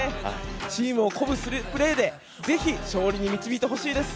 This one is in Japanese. チームを鼓舞するプレーで、ぜひ、勝利に導いてほしいです！